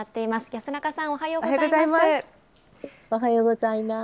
安中さん、おはようございます。